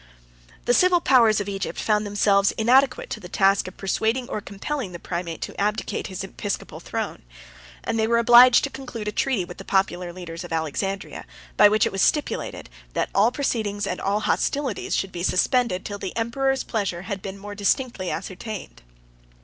The civil powers of Egypt found themselves inadequate to the task of persuading or compelling the primate to abdicate his episcopal throne; and they were obliged to conclude a treaty with the popular leaders of Alexandria, by which it was stipulated, that all proceedings and all hostilities should be suspended till the emperor's pleasure had been more distinctly ascertained.